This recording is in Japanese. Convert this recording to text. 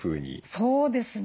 そうですね。